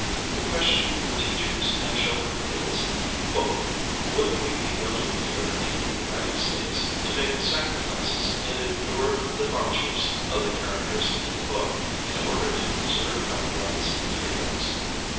The question for teachers and children is, "Would we be willing here in the United States to make the sacrifices and endure the hardships of the characters in the book, in order to j)reserve our rights and freedoms?